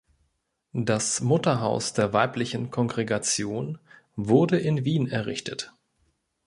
Das Mutterhaus der weiblichen Kongregation wurde in Wien errichtet.